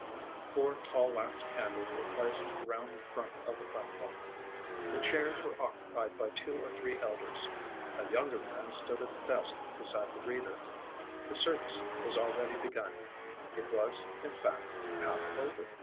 Four tall wax candles were placed round the front of the platform. The chairs were occupied by two or three elders. A younger man stood at the desk beside the Reader. The service was already begun it was, in fact, half over.